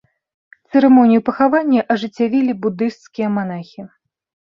Цырымонію пахавання ажыццявілі будысцкія манахі.